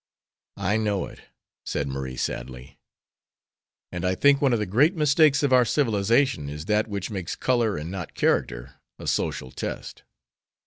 "I know it," said Marie, sadly, "and I think one of the great mistakes of our civilization is that which makes color, and not character, a social test."